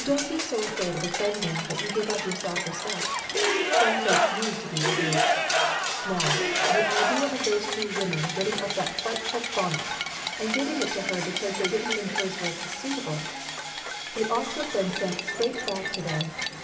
Don't be so afraid of offending that you give up your self respect. Some folks need to be rebuked. Now, the idea of those two women getting up that frightful bonnet, and giv ing it to her because they didn't think hers ' suit able '! It ought to have been sent straight back to them.